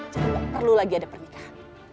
jadi gak perlu lagi ada pernikahan